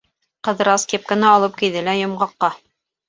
Ҡыҙырас кепканы алып кейҙе лә Йомғаҡҡа: